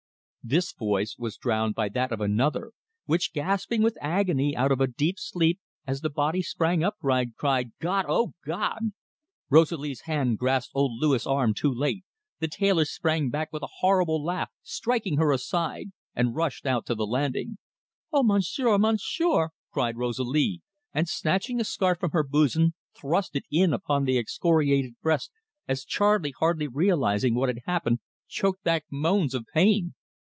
'" This voice was drowned by that of another, which, gasping with agony out of a deep sleep, as the body sprang upright, cried: "God oh God!" Rosalie's hand grasped old Louis' arm too late. The tailor sprang back with a horrible laugh, striking her aside, and rushed out to the landing. "Oh, Monsieur, Monsieur!" cried Rosalie, and, snatching a scarf from her bosom, thrust it in upon the excoriated breast, as Charley, hardly realising what had happened, choked back moans of pain.